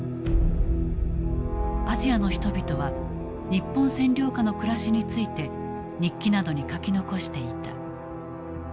アジアの人々は日本占領下の暮らしについて日記などに書き残していた。